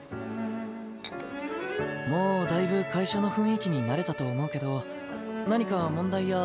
もうだいぶ会社の雰囲気に慣れたと思うけど何か問題や不安な事はない？